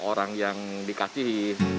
orang yang dikasihi